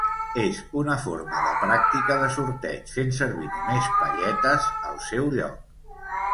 És una forma de pràctica de sorteig, fent servir només palletes al seu lloc.